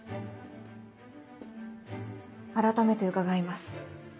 改めて伺います。